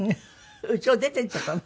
うちを出て行っちゃったの？